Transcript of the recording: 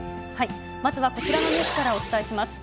まずはこちらのニュースからお伝えします。